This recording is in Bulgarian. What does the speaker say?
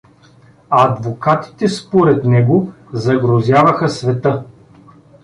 Адвокатите според него загрозяваха света.